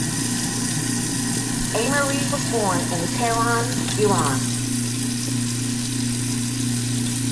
Ameri was born in Tehran, Iran.